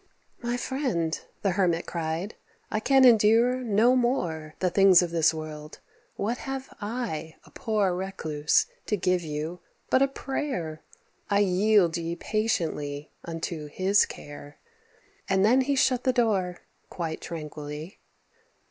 "My friend," the hermit cried. "I can endure No more the things of this world. What have I, A poor recluse, to give you, but a prayer? I yield you patiently unto His care." And then he shut the door, quite tranquilly.